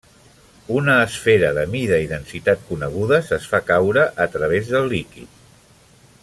Una esfera de mida i densitat conegudes es fa caure a través del líquid.